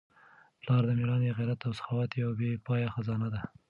پلار د مېړانې، غیرت او سخاوت یوه بې پایه خزانه ده.